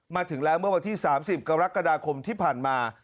มาถึงแล้วเมื่อวันที่๓๐กรกฎาคมที่ผ่านมา